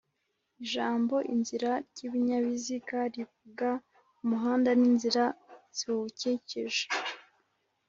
Ijambo "inzira y'ibinyabiziga", rivuga umuhanda n'inzira ziwukikije